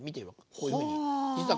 こういうふうに。は。